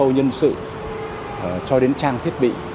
nhân sự cho đến trang thiết bị